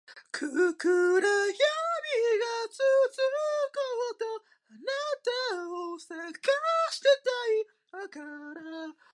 二疋はまるで声も出ず居すくまってしまいました。